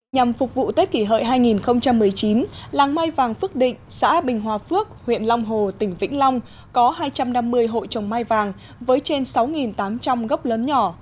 nhằm phục vụ tết kỷ hợi hai nghìn một mươi chín làng mai vàng phước định xã bình hòa phước huyện long hồ tỉnh vĩnh long có hai trăm năm mươi hộ trồng mai vàng với trên sáu tám trăm linh gốc lớn nhỏ